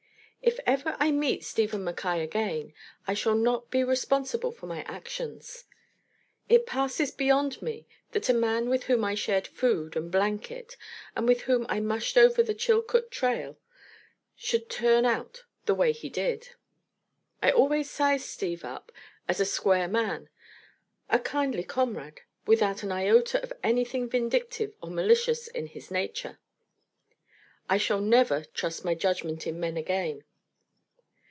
If ever I meet Stephen Mackaye again, I shall not be responsible for my actions. It passes beyond me that a man with whom I shared food and blanket, and with whom I mushed over the Chilcoot Trail, should turn out the way he did. I always sized Steve up as a square man, a kindly comrade, without an iota of anything vindictive or malicious in his nature. I shall never trust my judgment in men again.